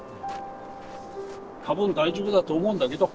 多分大丈夫だと思うんだけど。